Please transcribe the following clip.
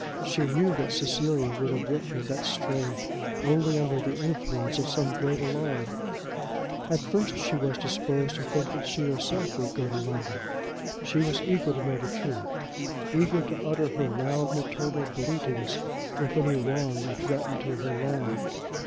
She knew that Cecilia would have written in that strain only under the influence of some great alarm. At first she was disposed to think that she herself would go to London. She was eager to know the truth, eager to utter her loud maternal bleatings if any wrong were threatened to her lamb.